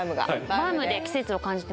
「バウムで季節を感じる」